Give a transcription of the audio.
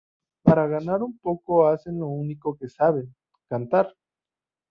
Para ganar un poco hacen lo único que saben: cantar.